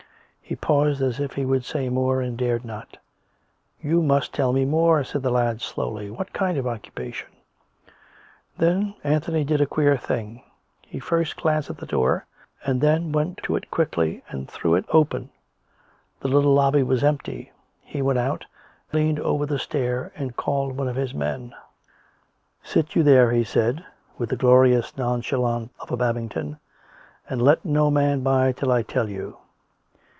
He paused, as if he would say more and dared not. " You must teU me more," said the lad slowly. " What kind of occupation ?" Then Anthony did a queer thing. He first glanced at the door, and then went to it quickly and threw it open. The little lobby was empty. He went out, leaned over the stair and called one of his men. " Sit you there," he said, with the glorious nonchalance of a Babington, " and let no man by till I tell you."